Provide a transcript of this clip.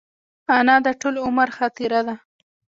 انا د ټول عمر خاطره ده